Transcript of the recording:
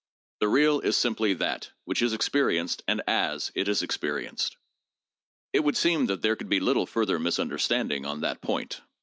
The real is simply that which is experienced and as it is experienced. It would seem that there could be little further misunderstanding on that point.